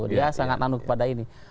dia sangat nanuk pada ini